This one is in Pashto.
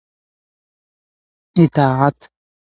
اطاعت